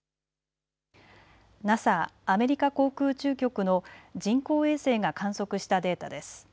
ＮＡＳＡ・アメリカ航空宇宙局の人工衛星が観測したデータです。